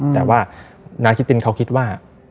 แต่ว่านายคิตตินเขาคิดว่า